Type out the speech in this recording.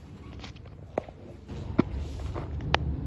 له افغانانو، ایرانیانو، ترکانو، مصریانو او عربانو سره.